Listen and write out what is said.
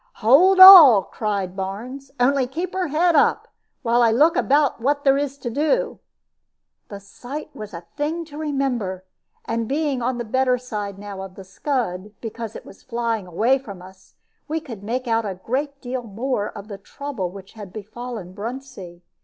"Hold all!" cried Barnes; "only keep her head up, while I look about what there is to do." The sight was a thing to remember; and being on the better side now of the scud, because it was flying away from us, we could make out a great deal more of the trouble which had befallen Bruntsea.